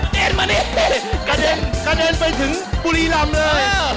กระเดนเก็บไปถึงปุรีหลำเลย